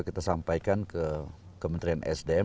kita sampaikan ke kementerian sdm